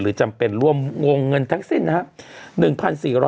หรือจำเป็นรวมงงเงินทั้งสิ้นนะค่ะ